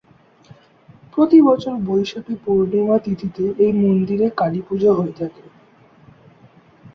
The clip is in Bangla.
প্রতি বছর বৈশাখী পূর্ণিমা তিথিতে এই মন্দিরে কালীপূজা হয়ে থাকে।